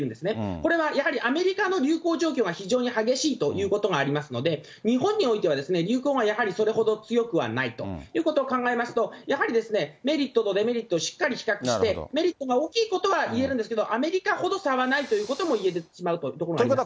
これはやはりアメリカの流行状況が非常に激しいということがありますので、日本においては流行がやっぱりそれほど強くないということを考えますと、やはりメリットとデメリットをしっかり比較して、メリットが大きいことは言えるんですけれども、アメリカほど差はないということも言えてしまうというところがありますね。